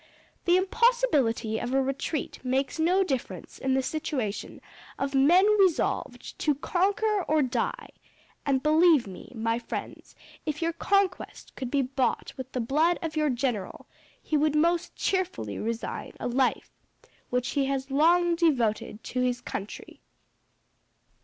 The impossibility of a retreat makes no difference in the situation of men resolved to conquer or die; and, believe me, my friends, if your conquest could be bought with the blood of your general, he would most cheerfully resign a life which he has long devoted to his country.